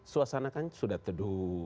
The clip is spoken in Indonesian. suasana kan sudah teduh